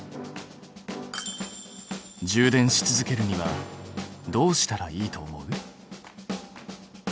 充電し続けるにはどうしたらいいと思う？